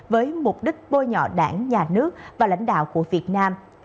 với mục đích bôi nhọ đảng nhà nước và lãnh đạo của việt nam